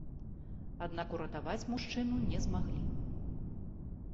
Аднак уратаваць мужчыну не змаглі.